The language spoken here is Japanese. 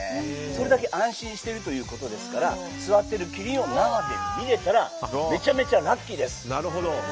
それだけ安心しているということですから座っているキリンを生で見れたらめちゃめちゃラッキーです。